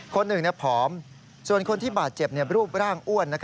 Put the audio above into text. คนหนึ่งผอมส่วนคนที่บาดเจ็บรูปร่างอ้วน